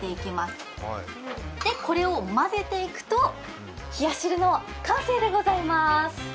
そして、これを混ぜていくと冷や汁の完成でございます。